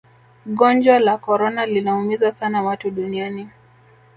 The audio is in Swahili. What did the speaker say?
gonjwa la korona linaumiza sana watu duniani